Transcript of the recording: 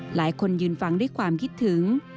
หลายทางคนยืนฟังและความคิดถึง